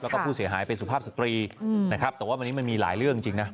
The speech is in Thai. แล้วก็ผู้เสียหายเป็นสุภาพสตรีนะครับแต่ว่าวันนี้มันมีหลายเรื่องจริงนะ